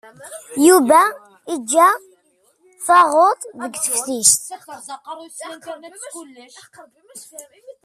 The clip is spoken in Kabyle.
Yuba iga tuɣudt deg teftist.